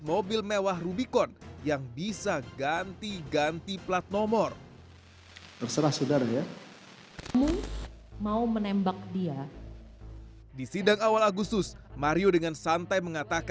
mobil mewah rubicon yang bisa ganti ganti plat nomor terserah saudara ya mau menembak